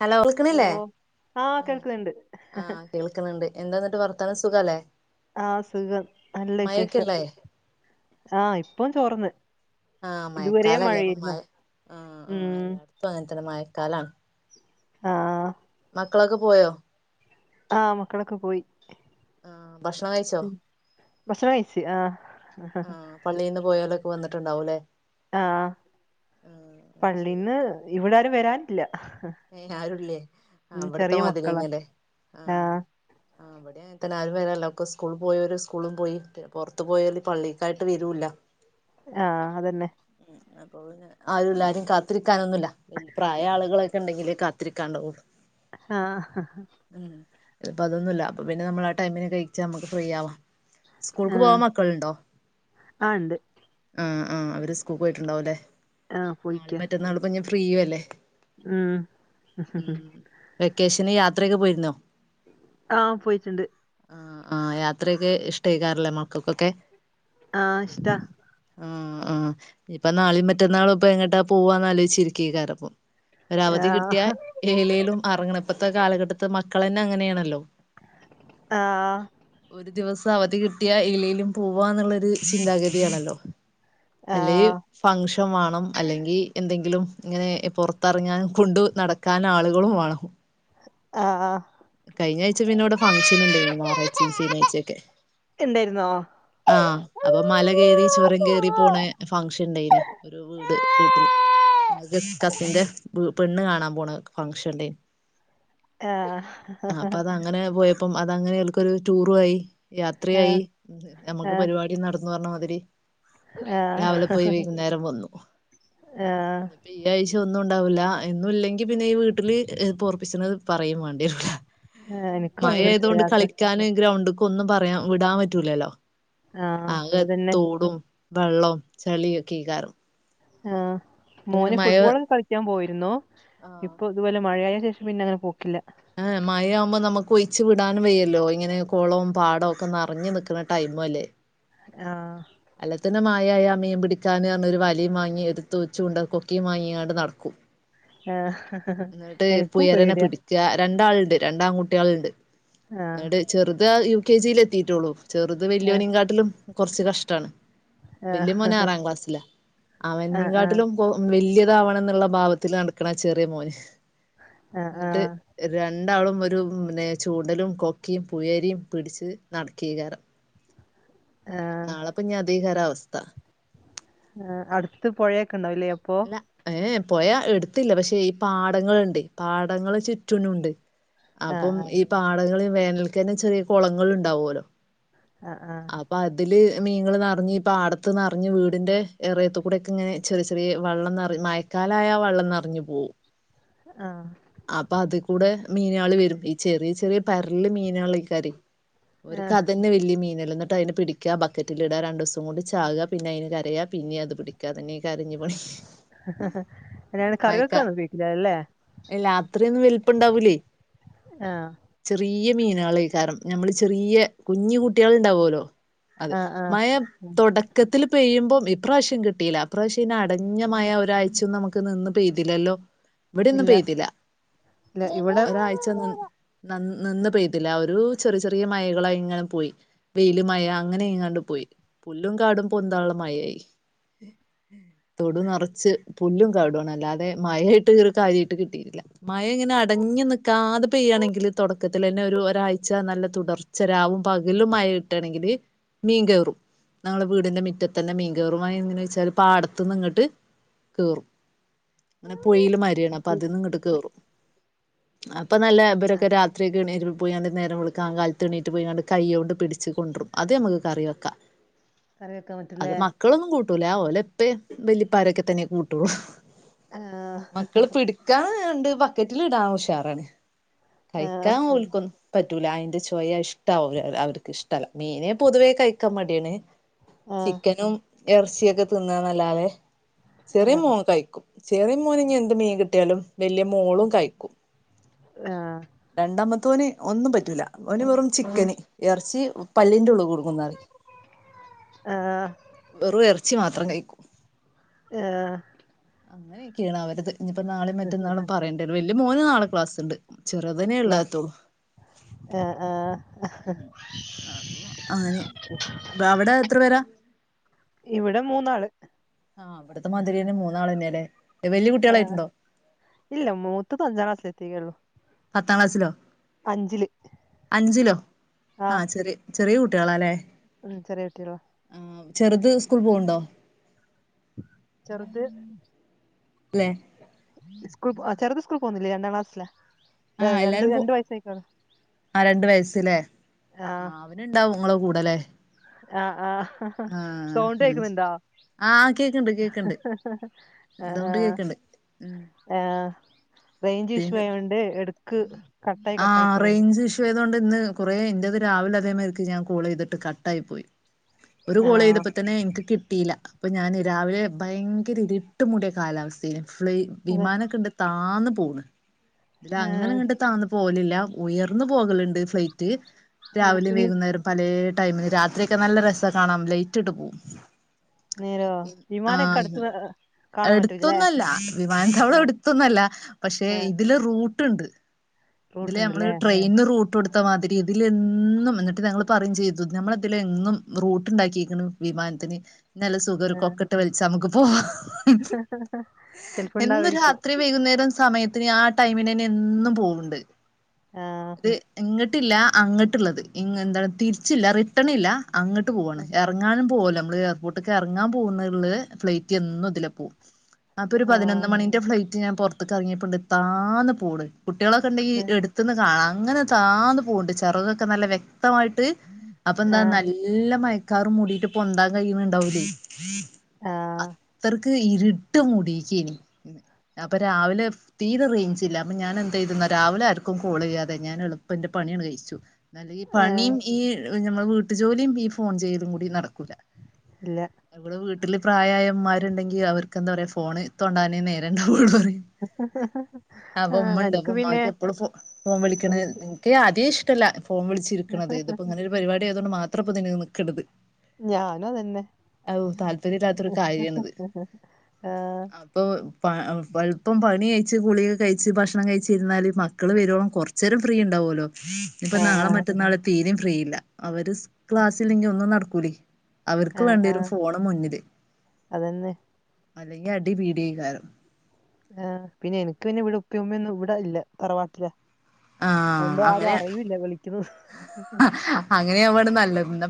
Hello ൾക്ക്ണ്ല്ലേ ആഹ് ഉം കേൾക്കുന്നുണ്ട് ആ കേൾക്ക്ന്ന്ണ്ട് എന്താന്ന്ട്ട് വർത്താനം സുഖല്ലേ? ആ സുഖം നല്ല വിശേഷം മഴക്കല്ലേ ആ ഇപ്പം ചോറ്ന്ന് ആഹ് മഴക്കാലം അല്ലേ, മഴ ആഹ് ആഹ് ഉം എല്ലായിടത്തും അങ്ങനെ തന്നെ മഴക്കാലാണ്. ആഹ് മക്കളൊക്കെ പോയോ? ആഹ് മക്കളൊക്കെ പോയി ആഹ് ഭക്ഷണം കഴിച്ചോ മെസ്സേജ് അയച്ച് ആഹ് പള്ളയിൽന്ന് പോയാലൊക്കെ വന്നിട്ടണ്ടാവുംല്ലേ ആഹ് അത് ശരി പള്ളീന്ന് ഇവിടാരും വരാനില്ല ഏയ് ആരുല്ലേ ആ ഉം അവിടുത്തെ ചെറിയ മക്കളാ മാതിരിന്നല്ലേ ആഹ് ആഹ് അവടെ എത്തന ആരും വരാനില്ല ഒക്കെ സ്കൂൾ പോയവര് സ്കൂളും പോയി പുറത്ത് പോയവൽ പള്ളിക്കായിട്ട് വരൂല്ല ആഹ് അതന്നെ മ്ഹ് അപ്പൊ പിന്നെ ആരും ഇല്ല ആരും കാത്തിരിക്കാനൊന്നുല്ല പ്രായായ ആളുകളെ ണ്ടെങ്കിലെ കാത്തിരിക്കാണ്ടാവു ആഹ് മ്ഹ് ഇതീപ്പ അതൊന്നുല്ല അപ്പ പിന്നെ നമ്മൾ ആ ടൈമിന് കഴിച്ചാ നമുക്ക് ഫ്രീ ആവാം. സ്കൂൾക്ക് ആഹ് പോവാൻ മക്കളുണ്ടോ? ആഹ് ഇണ്ട് ആഹ് ആഹ് അവര് സ്കൂൾ പോയിട്ടുണ്ടാവും അല്ലേ? ആഹ് നാളെ മറ്റന്നാ ളിപ്പോൾ ഞാൻ ഫ്രീയും അല്ലേ? ആഹ് മ്ഹ് വെക്കേഷന് യാത്രയൊക്കെ പോയിരുന്നോ? ആഹ് പോയിട്ടുണ്ട്. ആഹ് ആഹ് യാത്രയൊക്കെ ഇഷ്ടായി കാറിലെ മക്കൾക്കൊക്കെ? ആഹ് ഇഷ്ടാ. ആഹ് ആഹ് ഇപ്പൊ നാളെയും മറ്റന്നാളും ഇപ്പ എങ്ങോട്ടാ പോവാന്ന് ആലോചിച്ചിരിക്കേ കാറിപ്പം ഒരവധി കിട്ടിയ ആഹ് ഏലേലും അറങ്ങണം ഇപ്പോഴത്തെ കാലഘട്ടത്ത് മക്കൾ തന്നെ അങ്ങനെയാണല്ലോ ആഹ് ഒരു ദിവസം അവധി കിട്ടിയ ഇലയിലും പോവാന്നുള്ളൊരു ചിന്താഗതിയാണല്ലോ അല്ലെങ്കിൽ ആഹ് ഫങ്ഷൻ വേണം അല്ലെങ്കിൽ എന്തെങ്കിലും ഇങ്ങനെ പൊറത്തിറങ്ങാൻ കൊണ്ട് നടക്കാൻ ആളുകളും വേണം ആഹ് കഴിഞ്ഞാഴ്ച്ച പിന്ന ഇവിടെ ഫങ്ഷൻ ഉണ്ടായി ഞായറാഴ്ചയും ഈ ശനിയാഴ്ച ഒക്കെ എന്തായിരുന്നോ? ആഹ് അപ്പൊ മല കയറി ചുരം കേറി പോണ ഫംഗഷൻ ഉണ്ടായിന് ഒരു വീട് വീട്ടിൽ ഒരു കസിന്റെ പെണ്ണ് കാണാൻ പോണ ഫങ്ഷൻ ഉണ്ടാ ആഹ് അങ്ങനെ പോയപ്പം അതങ്ങനെ ഓൽക്കൊരു റ്റൂറുആയി, ആഹ് യാത്യായി. നമുക്ക് ആഹ് പരിപാ ടിം നടന്നുഅർഞ്ഞ മാതിരി ആഹ് രാവിലെ പോയി വൈകുന്നേരം വന്നു ആഹ് ഈ ആഴ്ച ഒന്നും ഉണ്ടാവൂല. എന്നും ല്ലെങ്കിപിന്നെ ഈ വീട്ടില് പൊർപ്പിച്ച്ണഅ് പറയും വേണ്ട്യരൂലാ... എനിക്ക് മഴ ഭയങ്കര ഇഷ്ട ആയതോണ്ട് യാത്ര കളിക്കാന് ഗ്രൗണ്ട്കൊന്നും പറയാ വിടാൻ പറ്റൂലല്ലോ ആഹ് ആകെ അതന്നെ തോടും വെള്ളം ചളിയൊക്കെഏകാരം ആ.. മോന് ഫുട്ബോള് കളിക്കാൻ പോയിരുന്നു. ആഹ് ഇപ്പൊ അതുപോലെ മഴയായ ശേഷം പിന്നെ അങ്ങനെ പോക്കില്ല ഏ മഴയാവുമ്പോൾ നമുക്ക് ഒഴിച്ച് വിടാനും വയ്യല്ലോ, ഇങ്ങനെ കൊളവും പാടവും ഒക്കെ നറഞ്ഞു നിക്കുന്ന ടൈമുഅല്ലേ ആഹ് അല്ലത്തന്നെ മഴായ മീൻ പിടിക്കാന്ർഞ്ഞൊരു വലിയും വാങ്ങി ഒരു ചൂണ്ടൽ കൊക്കിയുംവാങ്ങിക്കാണ്ട് നടക്കും ആഹ്ഹഹഹ എനിക്കും പേടിയ ര രണ്ടാൾണ്ട്. രണ്ടാൺകുട്ടിയാളുണ്ട്. ആഹ് ന്നട് ചെറുത യു കെ ജിൽ എത്തിട്ടൊള്ളൂ.. ചെർത് ആഹ് വല്യോനിംങ്കാട്ടിലും കൊർച്ച് കഷ്ടം ആഹ് വല്യമോനാറാം ക്ലാസ്സില. അവനിം ആഹ് ആഹ് കാട്ടിലും പ്പൊ വല്യതാവണം ന്ന്ള്ള ഭാവത്തിൽ നടക്കണ ചെറിയ മോന്. ആഹ് ന്നിട്ട് ആഹ് രണ്ടാളും ഒരു പിന്നെ ചൂണ്ടലും കൊക്കും പുയരിയും പിടിച്ച് നടക്കീകാരം ആഹ് നാളെപ്പഞ്ഞ് അതേയ്കാരവസ്ഥ. ഏഹ്., അടുത്ത് പൊഴൊക്കെണ്ടാവുലേ അപ്പൊ? ഏയേയെ, പൊഴ എടുത്തില്ല. പക്ഷെ, ഈ പാടങ്ങള്ണ്ട്. പാടങ്ങൾ ചുറ്റ്നും ണ്ട്. അപ്പം ആഹ് ഈ പാടങ്ങളീ വേനൽക്കന്നെ ചെറിയ കുളങ്ങൾ ഉണ്ടാവോല്ലോ ആഹ്, ആഹ്. അപ്പൊ, അതില് മീങ്ങൾ നിറഞ്ഞ്, ഈ പാടത്ത് നിറഞ്ഞ്, വീടിൻ്റെ എറയത്ത് കൂടൊക്കെ ഇങ്ങനെ ചെറിയ ചെറിയ വെള്ളം നറ മഴ ക്കാലായ വെള്ളം നറഞ്ഞു പോവും ആഹ് അപ്പൊ അതികൂടെ മീനാൾ വരും ഈ ചെറിയ ചെറിയ പരല് മീനാളേകേരം ഓര്ക്ക് ആഹ് അത് തന്നെ വലിയ മീനല്ലെ ന്നട്ട് അതിനെ പിടിക്കുക ബക്കറ്റിൽ ഇട രണ്ടു ദിവസം കൊണ്ട് ചാവുക പിന്നെ അതിന് കരയാ പിന്നേം അത് പിടിക്കുക അത് തന്നേയ്കേരംഞ്ഞ് പണി അല്ലാണ്ട്, കറിവെക്കാനുപയോഗിക്കില്ല അല്ലെ? എല്ല, അത്രയൊന്നും വെൽപ്പണ്ടാവൂലേയ്. ആഹ് ചെറിയ്യെ മീനാളേയ്ക്കാരം. ഞമ്മള് ചെറിയ്യെ കുഞ്ഞു കുട്ട്യാളുണ്ടാവോലോ? അതെ ആഹ് ആഹ് മഴ ഉം തുടക്കത്തിൽ പെയ്യുമ്പം ഇപ്രാവശ്യം കിട്ടീല ഇപ്രാവശ്യം അയ്‌ന്, അടഞ്ഞ മഴ ഒരാഴ്ച ഒന്നും നമുക്ക് നിന്ന് പെയ്തില്ലല്ലോ? ഇവിടെ ഒന്നും ഇല്ല പെയ്തി ട്ടില ഇല്ല ഇവിടെ ഒരാഴ് ച്ച നി, നിന്ന് പെയ്തിലാ. ഒരു ചെറിയ, ചെറിയ മഴകളായിങ്ങനെ പോയി. വെയില് മഴ അങ്ങനങ്ങാണ്ട് പോയി പുല്ലും കാടും പൊന്താള്ള മഴയായി തൊടു നിറച്ച് പുല്ലും കാടും ആണ് അല്ലാതെ മഴയായിട്ട് കാര്യായിട്ട് കിട്ടീട്ടി ല്ല മഴ ഇങ്ങനെ, അടങ്ങി നിക്കാതെ പെയ്യാണെങ്കില്, തുടക്കത്തിലെന്നെ ഒരു, ഒരാഴ്ച നല്ല തുടർ ച്ച രാവും, പകലും മഴ കിട്ടാണെങ്കില് മീൻ കേറും. ഞങ്ങളെ വീടിന്റെ മിറ്റത്തെന്നെ മീൻ കേറും അതെങ്ങനേന്ന് വെച്ചാല് പാടത്ത് നിന്ന് ഇങ്ങോട്ട് കേറും അങ്ങനെ പുയീല് മര്യണപ്പ അപ്പ ഇ- അതിന്ന്ങ്ങട്ട് കേറും. അപ്പൊ, നല്ല ഇബരൊക്കെ രാത്രി ക്കെണീ പുഴേന്ന് നേരം വെളുക്കാൻ കാലത്ത് എണീറ്റ് പൊയ്ങ്ങാണ്ട്, കൈയോണ്ട് പിടിച്ച് കൊണ്ട്രും. അത്, ഞമ്മക്ക് കറി വെക്കാ.. കറി വെക്കാൻ പറ്റുംലേ മക്കളൊന്നും കൂട്ടൂല ഓലെ ഇപ്പേം വല്ലി പ്പാരൊക്കെത്തന്നെ കൂട്ടുള്ളൂ ആഹ് മക്കള് പിടി ക്കാണ്ട് ബക്കറ്റിൽ ഇടാൻ ഉഷാറാണ്. ആഹ് കഴിക്കാൻ ഓൽക്കൊന്നും പറ്റൂല. അയിന്റെ ചൊയ ഇഷ് ഇഷ്ട്ടാവൂല അവർക്ക് ഇഷ്ട്ടല്ല മീനേ പൊതുവേ കഴിക്കാൻ മടിയാണ് ആഹ് ചിക്കനും എറച്ചിയൊക്കെ തിന്നാന്നല്ലാതെ, ചെറിയേ ആഹ് മോൻ കഴിക്കും. ചെറിയ മോന് ഇനി എന്ത് മീൻ കിട്ട് ട്ട്യാലും വലിയ മോളും കഴിക്കും ആഹ് രണ്ടാമത്തവന് ഒന്നും പറ്റൂല ഓന് വെറും ചിക്കൻ എറച്ചി പല്ലിന്റെ ഉള്ളിൽ കുടുങ്ങുംന്ന് പറയും ആഹ് വെറും എറച്ചി മാത്രം കഴിക്കും. ഏഹ് അങ്ങനൊക്കേണ് അവരത്. ഇഞ്ഞിപ്പോ നാളീം, മറ്റന്നാളും പറയണ്ടരൂലാ, വല്യ മോന് നാളെ ക്ലാസ്ണ്ട്. ചെറ്ത് നെ ക്ലാ ഇള്ളാത്തൊള്ളൂ. ആഹ് ആഹ് അപ്പൊ അങ്ങനെ അവിടെ എത്ര പേരാ? ഇവ്ടെ മൂന്നാള്. ആഹ്, ഇവിടുത്തെ മാതിരി ന്നെ മൂന്നാളെന്നെ ലേ? വല്യ ആഹ് കുട്ടിയാളായിട്ട്ണ്ടോ? ഇല്ല, മൂത്തത് അഞ്ചാം ക്ലാസ്സിലെത്തീക്കേള്ളൂ. പത്താം ക്ലാസ്സിലോ? അഞ്ചിലോ? ആ ആഹ് ചെറിയ ചെറിയ കുട്ടികളാല്ലേ.. ഉം ചെറിയ കുട്ടികളാ ചെർത് സ്കൂൾ പോവ്ണ്ടോ? ചെർത് ല്ല്യേ സ്കൂൾ, ചെറുത് സ്കൂൾ പോകുന്നില്ലേ! രണ്ടാം ക്ലാസിലാ. ഏഹ്! ആഹ് രണ്ട്, എല്ലാരും പോ രണ്ട് വയസ്സയ്ക്ക്ണ്. ആഹ് ഓന്ണ്ടാവും ങ്ങളെ കൂടെലേ? ആഹ്, ആഹ്. സൗണ്ട് ഉം കേക്ക്ണ് ണ്ടാ? ആഹ്, കേക്ക്ണ്ട്, കേക്ക്ണ്ട്. സൗണ്ട് കേക്ക്ണ്ട്. ആ... റേഞ്ച് ഇഷ്യൂ പിന്നെ ആയൊണ്ട് എടക്ക് കട്ടായി കട്ടായി പോവ്ണ്ട് യതുകൊണ്ട് ഇന്ന് കുറേ ഇന്റത് രാവില തേമാര്ക്ക് ഞാൻ കോളെയ്തിട്ട് കട്ടായി പോയി ഒരു ആഹ് കോളയ്തപ്പോ തന്നെ എനിക്ക് കിട്ടീല പ്പ ഞാൻ രാവിലെ ഭയങ്കര ഇരിട്ട്മൂടിയ കാലാവസ്ഥേനി. ഫ്ലൈ അതെ വിമാനക്കണ്ട് താന്നു പോണ്. [unintelligible] ആഹ് അങ്ങനങ്ങട്ട് താന്നു പോകടലില്ല. ഉയർന്നു പോകല്ണ്ട്. ഫ്ലൈറ്റ് ആഹ് രാവില്യും വി വൈകുന്നേരം പലേ ടൈമിന്. രാത്രിയൊക്കെ നല്ല രസാ കാണാം. ലൈറ്റ് ഇട്ട് പോവും നേരോ ആഹ് വിമാനക്കട്ത്ത് [inaudible] എടുത്തൊന്നല്ല. വിമാനത്താവളം ആഹ് എടുത്തൊന്നല്ല. പക്ഷെ ആഹ് ഇതിലെ റൂട്ട്ണ്ട് ഇതില് നമ്മള് റൂട്ട്ണ്ടല്ലേ രു ട്രെയി ഇന്ന് റൂട്ടൊടുത്തമാതിരി തിലെന്നും ന്നിട്ട് ഞങ്ങള് പറ്യും ചെയ്തു, ഞമ്മളെ തിലെന്നും റൂട്ട് ണ്ടാക്കിക്ക്ണ് വിമാൻതിന് നല്ല സുഖ ഒരു ആഹ് കൊക്കട്ട് വൽച്ചാ അമ്മക്ക് പോവാ. ചെലപ്പോ എന്നും ഇണ്ടാവായിരിക്കും രാത്രി വൈകുന്നേരം സമയത്തിന് ആ ടൈമിനെന്നെ എന്നും പോവ്ണ്ട് ആഹ് ത് ഇങ്ങിട്ടില്ല അങ്ങിട്ട്ള്ളത്. ഇങ്ങ എന്താ തിരിച്ചില്ല. റിട്ടൺ ഇല്ല അങ്ങട്ട് പോവ്വാണ്. എറങ്ങാനും പോവ്വല്ലോ നമ്മള് എയർപോർട്ട് എർങ്ങാൻ പോവുന്ന്ള്ള ഫ്ലൈറ്റ് എന്നും തില പോവും. അപ്പൊരു പതിനൊന്ന് ആഹ് മണിന്റെ ഫ്ലൈറ്റ് ഞാൻ പൊർത്ത്ക്കർങ്യപ്പണ്ട് താന്ന് പോണ്. കുട്യളൊക്കെ ണ്ടെങ്കിൽ എടുത്തന്ന് കാണാ. അങ്ങനെ താന്ന് പോവ്ണ്ട്. ചെറകൊക്കെ നല്ല വ്യക്തമായിട്ട്, അപ്പൊന്താ ആഹ് നല്ല നല്ല മഴക്കാറും മൂടിട്ട് പൊന്താൻ കയ്യ്ണ് ണ്ടാവൂലേയ് ആഹ് ത്രർക്ക് ഇരുട്ട് മൂടിക്കേനി. അപ്പരാവിലെ തീരെ റൈഞ്ചില്ല. അപ്പ ഞാൻ എന്ത്യ്തന്നാ രാവിലെ ആർക്കും കോളെയ്യാതെ ഞാൻ എളുപ്പന്റെ പണിയാണ്ട് കഴിച്ചു അല്ലെ ഈ ഏഹ് പണിയും ഈ ഞമ്മൾ വീട്ടുജോലിയും ഈ ഫോൺ ചെയ്യലും കൂടി നടക്കൂല ഇല്ല മ്മളെ വീട്ടില് പ്രായായഉമ്മാര് ണ്ടെങ്കിൽ അവർക്ക്ന്താ പറയാ ഫോണ് തൊണ്ടാനേ നേരണ്ടാവൊള്ളൂറയും അപ ആഹ് ഉമ്മ ഉണ്ട് എനക്ക് പിന്നെ ഉമ്മാക്ക് എപ്പളും ഫോൺ ഫോം വിളിക്കണ. എനിക്ക് ഇൻക് ആദ്യേ ഇഷ്ടല്ല ഫോം വിളിച്ചിരിക്ക്ണത്. ഇതിപ്പ ഇങ്ങനൊരു പരിപാടി! ! ! ! ! ! ! ! ! ! അതൊണ്ട് മാത്രപ്പതിന് നിക്കട്ത് ഞാനു അതന്നെ താല്പര്യം ഇല്ലാത്തൊരു ആഹ് [inaudible] ഇപ്പോൾ പ പലപ്പം പണി കഴിച്ച് ഗളികെ കഴിച്ചച്ച് ഭക്ഷണം കഴിച്ചിരുന്നാല് [unintelligible] മക്കള് വരുവോള കൊറച്ച നേരം ഫ്രീ ഉണ്ടാവല്ലോ ഇപ്പൊ ആഹ് നാളെ ആഹ് മറ്റന്നാള തീരയും ഫ്രീയില്ല അവര് ക്ലാസ്സിലെങ്കി ഒന്നും നടക്കൂല അവർക്ക് ആഹ് വേണ്ടി വരും ആഹ് ഫോണ് മുന്നില് അതന്നെ അല്ലെങ്കിൽ അടിപീഡകാരം ആ പിന്ന എനിക്ക് പിന്നെ ഇവിടെ ഉപ്പമ്മൊന്നും ഇവിട ഇല്ല തറവാട്ടില അതുകണ്ട് ആഹ് ആരും അങ്ങനെ അറിവല്ല വിളിക്കുന്നു [inaudible] അങ്ങനെ അവാണ് നല്ലത്